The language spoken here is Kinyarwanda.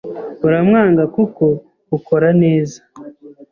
Uramwanga kuko ukora neza